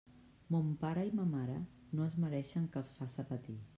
Mon pare i ma mare no es mereixen que els faça patir.